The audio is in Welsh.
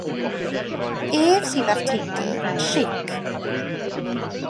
Ef sydd â'r teitl sheikh.